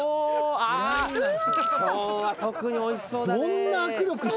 今日は特においしそうだね。